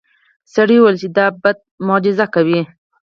سړي وویل چې دا بت معجزه کوي.